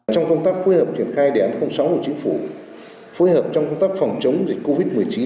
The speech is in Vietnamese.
trong công tác phối hợp triển khai đề án sáu của chính phủ phối hợp trong công tác phòng chống dịch covid một mươi chín